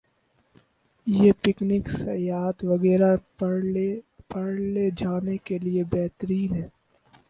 ۔ یہ پکنک ، سیاحت وغیرہ پرلے جانے کے لئے بہترین ہے۔